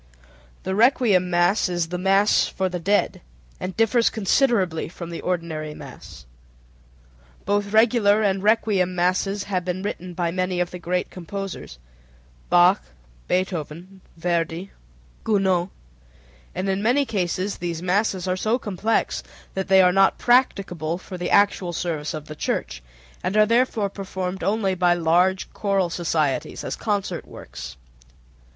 The requiem mass is the "mass for the dead" and differs considerably from the ordinary mass. Both regular and requiem masses have been written by many of the great composers (Bach, Beethoven, Verdi, Gounod), and in many cases these masses are so complex that they are not practicable for the actual service of the Church, and are therefore performed only by large choral societies, as concert works.